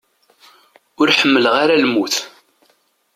Ur ḥmmileɣ ara lmut.